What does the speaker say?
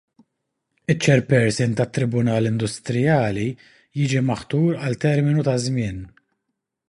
Iċ-chairperson tat-Tribunal Indusrijali jiġi maħtur għal terminu ta' żmien.